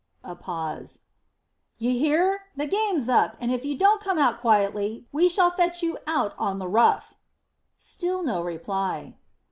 A pause. "D'yer hear? The game's up, and if you don't come out quietly, we shall have to fetch you out on the rough." Still no reply.